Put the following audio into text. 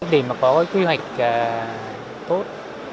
để mà có cái quy hoạch tốt